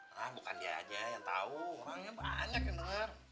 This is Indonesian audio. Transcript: nah bukan dia aja yang tahu orangnya banyak yang dengar